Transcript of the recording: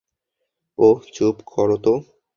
ওহ, চুপ করো তো!